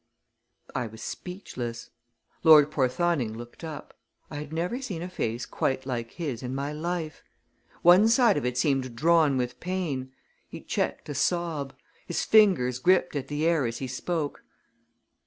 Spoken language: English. I was speechless. Lord Porthoning looked up. I had never seen a face quite like his in my life. One side of it seemed drawn with pain. He checked a sob. His fingers gripped at the air as he spoke.